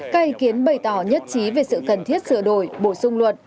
cây kiến bày tỏ nhất trí về sự cần thiết sửa đổi bồi sung luật